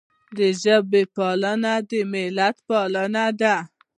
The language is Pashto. د ژبې پالنه د ملت پالنه ده.